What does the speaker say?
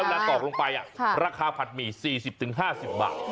ราคาผัดหมี่๔๐๕๐บาท